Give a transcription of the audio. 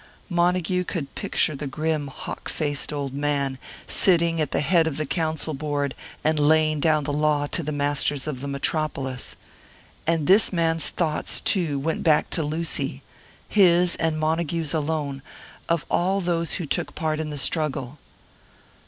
Montague could picture the grim, hawk faced old man, sitting at the head of the council board, and laying down the law to the masters of the Metropolis. And this man's thoughts, too, went back to Lucy his and Montague's alone, of all those who took part in the struggle!